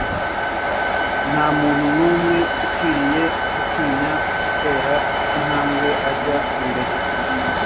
nta muntu numwe ukwiriye gutinya gutera intambwe ajya mbere